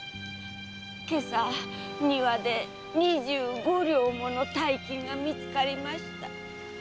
今朝庭で二十五両もの大金が見つかりました。